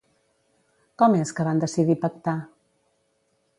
Com és que van decidir pactar?